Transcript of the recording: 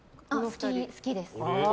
好きです。